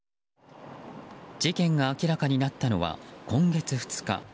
事件が明らかになったのは今月２日。